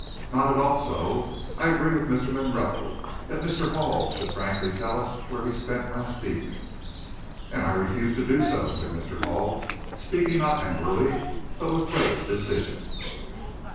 "Not at all so. I agree with Mr. Monroe, that Mr. Hall should frankly tell us where he spent last evening." "And I refuse to do so," said Mr. Hall, speaking not angrily, but with great decision.